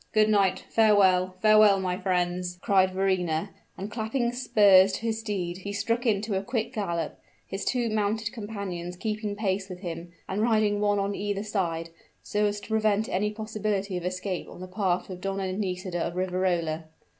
"Good night. Farewell farewell, my friends!" cried Verrina; and clapping spurs to his steed, he struck into a quick gallop, his two mounted companions keeping pace with him, and riding one on either side, so as to prevent any possibility of escape on the part of Donna Nisida of Riverola.